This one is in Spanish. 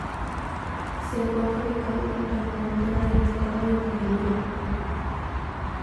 Se encuentra ubicado junto a la frontera del estado de Brandeburgo.